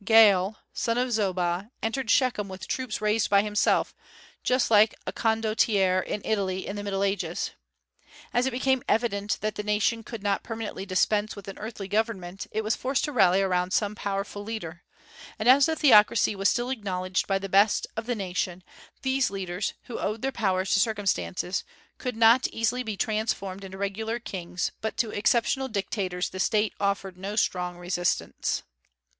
Gaal, son of Zobah, entered Shechem with troops raised by himself, just like a condottiere in Italy in the Middle Ages. As it became evident that the nation could not permanently dispense with an earthly government, it was forced to rally round some powerful leader; and as the Theocracy was still acknowledged by the best of the nation, these leaders, who owed their power to circumstances, could not easily be transformed into regular kings, but to exceptional dictators the State offered no strong resistance."